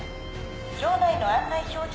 場内の案内表示。